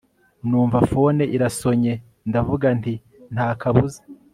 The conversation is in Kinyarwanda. numva phone irasonye ndavuga nti nta kabuza